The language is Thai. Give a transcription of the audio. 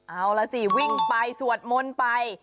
เอาล่ะสิวิ่งไปสวดมนต์ไป